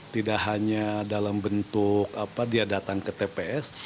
tidak hanya dalam bentuk apa dia datang ke tps